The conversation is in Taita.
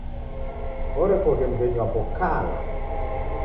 Orekoghe mghenyu wapo kala.